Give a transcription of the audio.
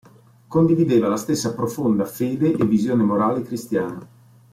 Condivideva la stessa profonda fede e visione morale cristiana.